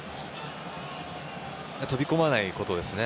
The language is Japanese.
飛び込まないことですね。